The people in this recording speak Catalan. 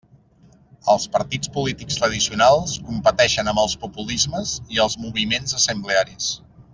Els partits polítics tradicionals competeixen amb els populismes i els moviments assemblearis.